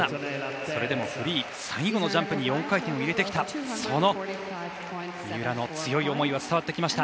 それでもフリー最後のジャンプに４回転を入れてきた三浦のその強い思いが伝わってきました。